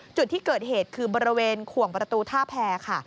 จุดที่เกิดเหตุคือบริเวณขวงประตูท่าแพรค่ะ